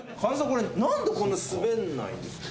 これなんでこんな滑らないんですか？